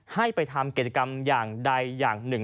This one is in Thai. ให้ไปทำกิจกรรมอย่างใดอย่างหนึ่ง